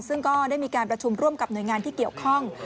ซึ่งก็ได้มีการประชุมร่วมกับหน่วยงานที่เกี่ยวข้อง